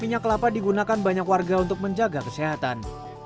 minyak kelapa digunakan banyak warga untuk menjaga kesehatan